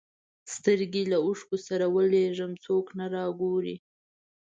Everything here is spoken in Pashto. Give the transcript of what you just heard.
سترګي له اوښکو سره ولېږم څوک نه را ګوري